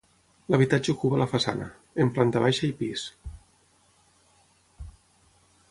L'habitatge ocupa la façana, en planta baixa i pis.